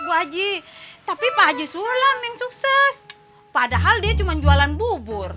di mall itu orang dudung dudung